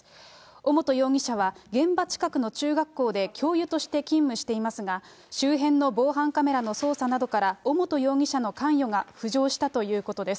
尾本容疑者は現場近くの中学校で教諭として勤務していますが、周辺の防犯カメラの捜査などから、尾本容疑者の関与が浮上したということです。